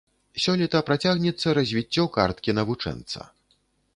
Сёлета працягнецца развіццё карткі навучэнца.